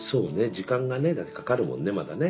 時間がねだってかかるもんねまだね。